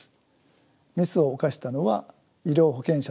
ミスを犯したのは医療保険者です。